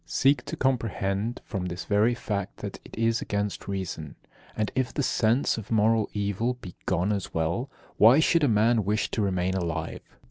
Seek to comprehend from this very fact that it is against reason. And if the sense of moral evil be gone as well, why should a man wish to remain alive?